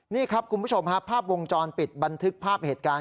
นี่ครับคุณผู้ชมฮะภาพวงจรปิดบันทึกภาพเหตุการณ์